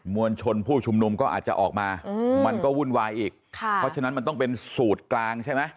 วลชนผู้ชุมนุมก็อาจจะออกมามันก็วุ่นวายอีกค่ะเพราะฉะนั้นมันต้องเป็นสูตรกลางใช่ไหม